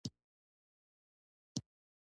ما یو نیم ساعت وخت ورکړی و.